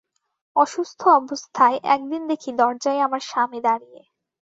অসুস্থ অবস্থায় একদিন দেখি দরজায় আমার স্বামী দাঁড়িয়ে।